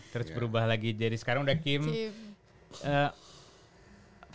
terus berubah lagi jadi sekarang udah kib